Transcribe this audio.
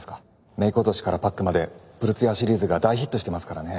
メーク落としからパックまで「ぷるツヤ」シリーズが大ヒットしてますからね。